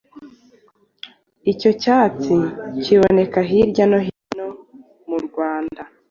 Icyo cyatsi kiboneka hirya no hino m’u Rwanda